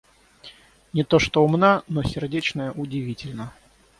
Не то что умна, но сердечная удивительно.